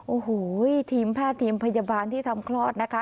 โอ้โหทีมแพทย์ทีมพยาบาลที่ทำคลอดนะคะ